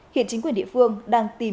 hiện chính quyền địa phương đang tìm